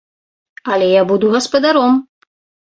Але я буду гаспадаром!